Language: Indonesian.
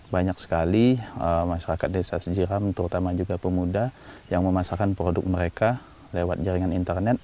banyak sekali masyarakat desa sejiram terutama juga pemuda yang memasarkan produk mereka lewat jaringan internet